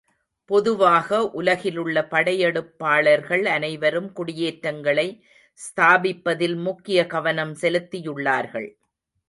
பொதுவாக உலகிலுள்ள படையெடுப்பாளர்கள் அனைவரும் குடியேற்றங்களை ஸ்தாபிப்பதில் முக்கிய கவனம் செலுத்தியுள்ளார்கள்.